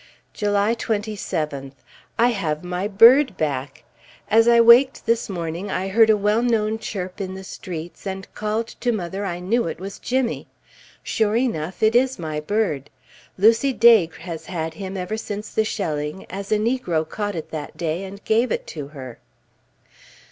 July 27th. I have my bird back! As I waked this morning, I heard a well known chirp in the streets, and called to mother I knew it was Jimmy. Sure enough it is my bird. Lucy Daigre has had him ever since the shelling, as a negro caught it that day and gave it to her.